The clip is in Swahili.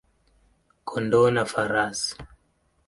kondoo na farasi.